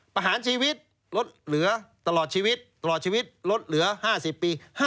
ประหารชีวิตตลอดชีวิตลดเหลือ๕๐ปี